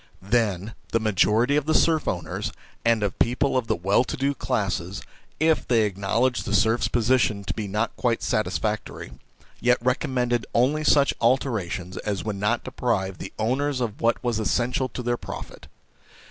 Then, the majority of the serf owners and of people of the well to do classes, if they acknowledged the serfs' position to be not quite satisfactory, yet recommended only such alterations as would not deprive the owners of what was essential to their profit.